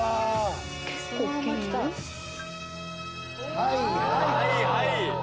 はいはい！